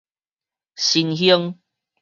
新興